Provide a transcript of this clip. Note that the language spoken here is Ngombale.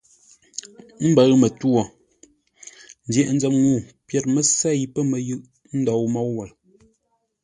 Mbəʉ mətwô, ndyəghʼ-nzəm ŋuu pyêr mə́ sêi pə̂ məyʉʼ ndôu môu wei.